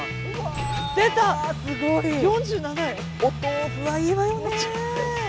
お豆腐はいいわよね。